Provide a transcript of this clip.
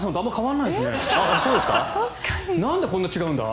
なんでこんなに違うんだ？